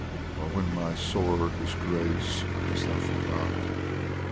or when my sore disgrace (Hast thou forgot